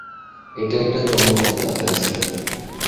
এটা একটা চমৎকার যাত্রা ছিল।